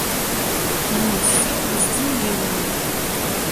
Мы ўсе ў здзіўленні.